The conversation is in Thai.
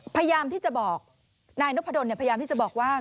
พยายามที่จะบอกนายนพดลพยายามที่จะบอกว่า